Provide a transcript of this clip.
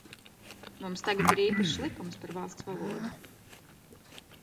Mums tagad ir īpašs likums par valsts valodu.